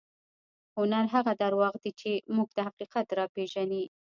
هنر هغه درواغ دي چې موږ ته حقیقت راپېژني.